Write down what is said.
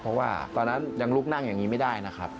เพราะว่าตอนนั้นยังลุกนั่งอย่างนี้ไม่ได้นะครับ